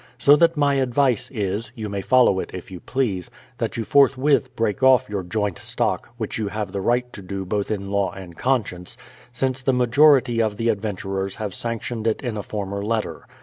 So that my advice is (you may follow it if you please) that you forthwith break off your joint stock, which j ou have the right to do both in law and conscience, since the majority of the adventurers have sanctioned it in a former letter.